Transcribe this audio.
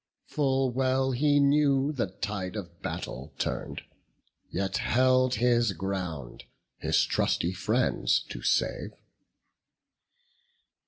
Full well he knew the tide of battle turn'd, Yet held his ground, his trusty friends to save.